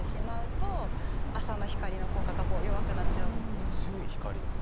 より強い光。